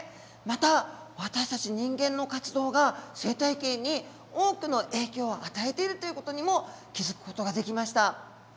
また私たち人間の活動が生態系に多くの影響を与えているという事にも気付く事ができました。